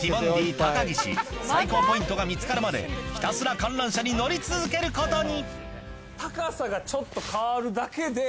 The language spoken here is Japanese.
高岸最高ポイントが見つかるまでひたすら観覧車に乗り続けることに！